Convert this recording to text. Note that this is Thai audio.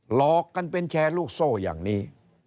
หลอกกันเป็นแชร์ลูกโซ่อย่างนี้